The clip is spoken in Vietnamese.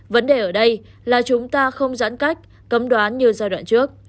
vấn đề ở đây là chúng ta không giãn cách cấm đoán như giai đoạn trước